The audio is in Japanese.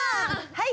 はい！